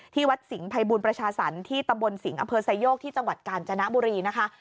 วัดสิงห์ภัยบูรณประชาสรรค์ที่ตำบลสิงห์อำเภอไซโยกที่จังหวัดกาญจนบุรีนะคะ